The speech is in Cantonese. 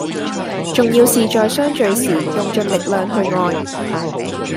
重要是在相聚時用盡力量去愛